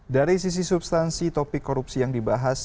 dari sisi substansi topik korupsi yang dibahas